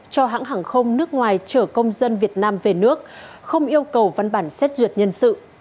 cho hãng hàng không nước ngoài chở công dân việt nam về nước không yêu cầu văn bản xét duyệt nhân sự